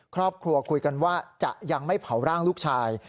ครอบครัวคุยกันว่าจะยังไม่เผาร่างลูกชาย